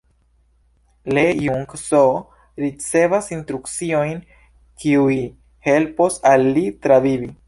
Lee Jung-soo ricevas instrukciojn kiuj helpos al li travivi.